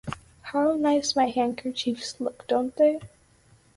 How nice my handkerchiefs look, don't they?